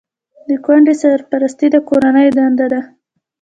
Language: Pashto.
د کونډې سرپرستي د کورنۍ دنده ده.